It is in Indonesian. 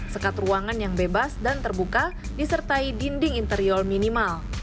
sekat ruangan yang bebas dan terbuka disertai dinding interior minimal